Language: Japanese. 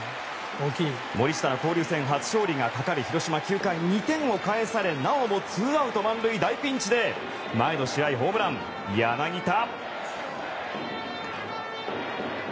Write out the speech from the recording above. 森下の交流戦初勝利がかかる広島９回２点を返されなおもツーアウト満塁大ピンチで前の試合ホームラン、柳田。